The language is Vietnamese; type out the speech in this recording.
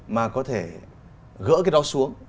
mà có thể gỡ cái đó xuống